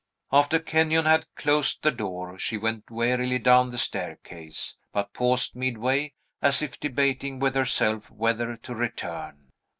After Kenyon had closed the door, she went wearily down the staircase, but paused midway, as if debating with herself whether to return.